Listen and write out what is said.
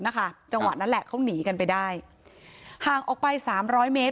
นะคะจังหวะนั้นแหละเขาหนีกันไปได้ห่างออกไป๓๐๐เมตร